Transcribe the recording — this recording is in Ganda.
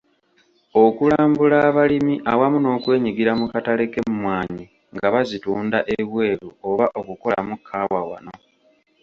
Okulambula abalimi awamu n’okwenyigira mu katale k’emmwanyi nga bazitunda ebweru oba okukolamu kkaawa wano.